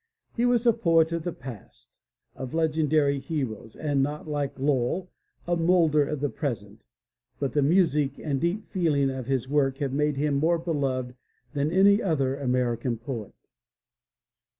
He was a poet of the past, of legendary heroes, and not like Lowell, a moulder of the present, but the music and deep feeling in his work have made him more beloved than any other American poet.